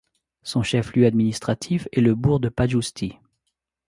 Son chef-lieu administratif est le bourg de Pajusti.